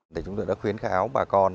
đại chúng lượng đã khuyến kháo bà con